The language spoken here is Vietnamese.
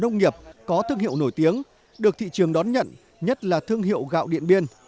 nông nghiệp có thương hiệu nổi tiếng được thị trường đón nhận nhất là thương hiệu gạo điện biên